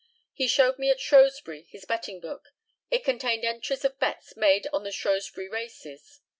He showed me at Shrewsbury his betting book. It contained entries of bets made on the Shrewsbury races.